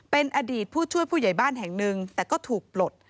เป็นอดีตผู้ช่วยผู้ใหญ่บ้านแห่งหนึ่งแต่ก็ถูกปลด